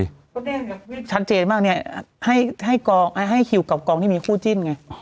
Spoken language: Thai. ก็แน่นอย่างชัดเจนมากเนี่ยให้คิวกับกองที่มีคู่จิ้นไง